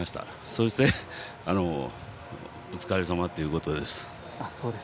そしてお疲れさまということです。